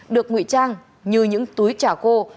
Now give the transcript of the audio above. được ngụy trang như những túi trả khô